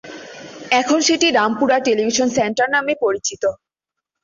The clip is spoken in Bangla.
এখন সেটি রামপুরা টেলিভিশন সেন্টার নামে পরিচিত।